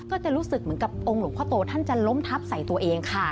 ก็จะรู้สึกเหมือนกับองค์หลวงพ่อโตท่านจะล้มทับใส่ตัวเองค่ะ